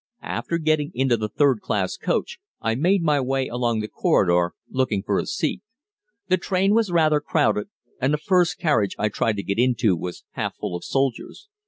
After getting into the third class coach I made my way along the corridor, looking for a seat. The train was rather crowded, and the first carriage I tried to get into was half full of soldiers.